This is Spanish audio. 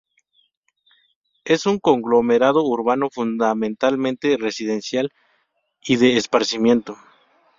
Es un conglomerado urbano fundamentalmente residencial y de esparcimiento.